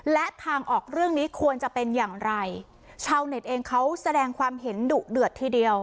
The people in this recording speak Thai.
และทางออกเรื่องนี้ควรจะเป็นอย่างไรชาวเน็ตเองเขาแสดงความเห็นดุเดือดทีเดียว